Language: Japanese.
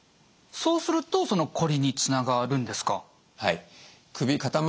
そうするとこりにつながるんですか？